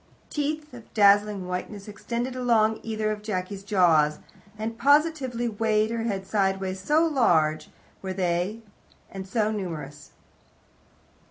Teeth of dazzling whiteness extended along either of Jacky's jaws, and positively weighted her head sideways, so large were they and so numerous.